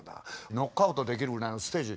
ノックアウトできるぐらいのステージ